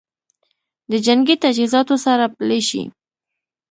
د جنګي تجهیزاتو سره پلي شي